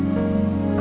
pasti enggak bisa